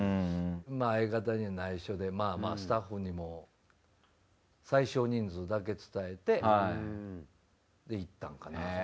相方にないしょでまあまあスタッフにも最少人数だけ伝えてでいったんかな。